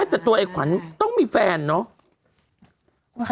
แต่ตัวไอ้ขวัญต้องมีแฟนเนอะ